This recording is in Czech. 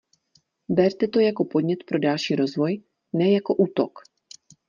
Berte to jako podnět pro další rozvoj, ne jako útok.